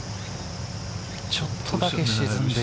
ちょっとだけ沈んでいる。